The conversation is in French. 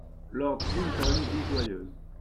Lord Clinton Vie joyeuse !